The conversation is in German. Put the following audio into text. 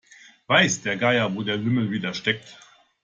Weiß der Geier, wo der Lümmel wieder steckt.